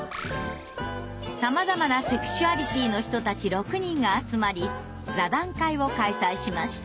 さまざまなセクシュアリティーの人たち６人が集まり座談会を開催しました。